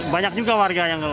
banyak juga warga yang